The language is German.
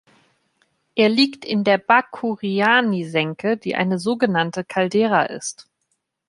Er liegt in der Bakuriani-Senke, die eine sogenannte Caldera ist.